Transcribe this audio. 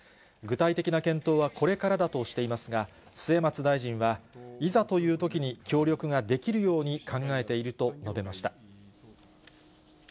具体的な検討はこれからだとしていますが、末松大臣はいざというときに協力ができるように考えていると述べました。